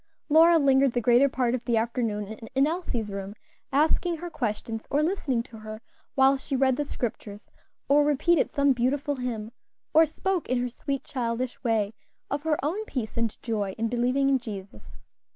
'" Lora lingered the greater part of the afternoon in Elsie's room, asking her questions, or listening to her while she read the Scriptures, or repeated some beautiful hymn, or spoke in her sweet, childish way, of her own peace and joy in believing in Jesus.